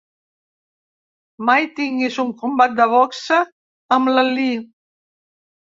Mai tinguis un combat de boxa amb l'Ali!